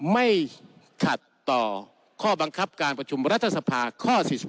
ไม่ขัดต่อข้อบังคับการประชุมรัฐสภาข้อ๔๑